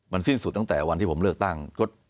สิ้นสุดตั้งแต่วันที่ผมเลือกตั้ง